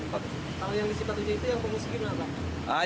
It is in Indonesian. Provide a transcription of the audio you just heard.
kalau yang disipat uji itu yang mengungsi gimana